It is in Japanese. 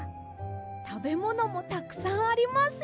たべものもたくさんありますよ。